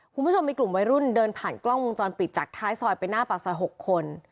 คุณผู้ชมมีกลุ่มวัยรุ่นเดินผ่านกล้องวงจรปิดจากท้ายซอยไปหน้าปากซอย๖คน